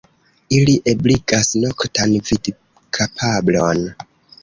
Ili ebligas noktan vidkapablon.